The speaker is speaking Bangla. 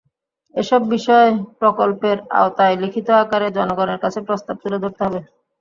এসব বিষয় প্রকল্পের আওতায় লিখিত আকারে জনগণের কাছে প্রস্তাব তুলে ধরতে হবে।